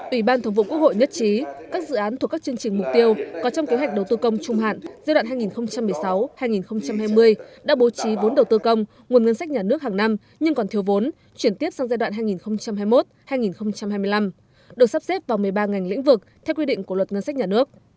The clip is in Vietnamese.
ủy ban thống vụ quốc hội nhất trí các dự án thuộc các chương trình mục tiêu có trong kế hoạch đầu tư công trung hạn giai đoạn hai nghìn một mươi sáu hai nghìn hai mươi đã bố trí vốn đầu tư công nguồn ngân sách nhà nước hàng năm nhưng còn thiếu vốn chuyển tiếp sang giai đoạn hai nghìn hai mươi một hai nghìn hai mươi năm được sắp xếp vào một mươi ba ngành lĩnh vực theo quy định của luật ngân sách nhà nước